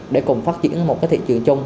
để cùng phát triển một cái thị trường chung